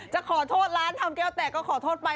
จะขอโทษร้านทำแก้วแตกก็ขอโทษไป